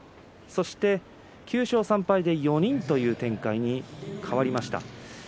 そして９勝３敗で４人という展開に変わりました。